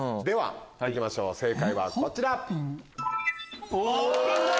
行きましょう正解はこちら。